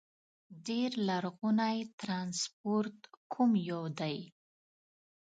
ډېر لرغونی ترانسپورت کوم یو دي؟